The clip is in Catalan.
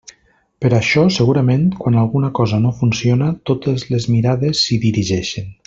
Per això, segurament, quan alguna cosa no funciona, totes les mirades s'hi dirigeixen.